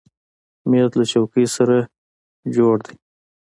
مېز له چوکۍ سره جوړه ده.